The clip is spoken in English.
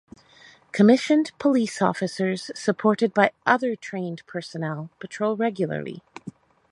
Commissioned police officers supported by other trained personnel patrol regularly.